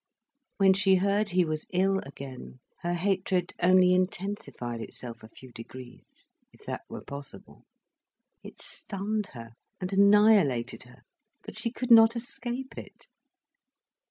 When she heard he was ill again, her hatred only intensified itself a few degrees, if that were possible. It stunned her and annihilated her, but she could not escape it.